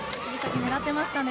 狙っていましたね。